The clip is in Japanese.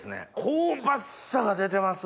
香ばしさが出てます。